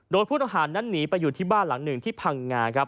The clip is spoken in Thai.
โดยผู้ต้องหานั้นหนีไปอยู่ที่บ้านหลังหนึ่งที่พังงาครับ